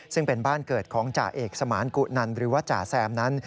ซึ่งเป็นบ้านเกิดของจ่าเอกสมานกุนันหรือว่าจ่าแซมนั้น